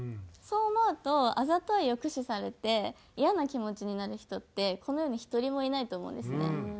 そう思うとあざといを駆使されてイヤな気持ちになる人ってこの世に１人もいないと思うんですね。